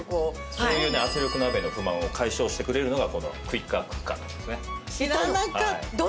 そういうね圧力鍋の不満を解消してくれるのがこのクイッカークッカーなんですね。